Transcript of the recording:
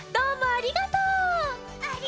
ありがとう！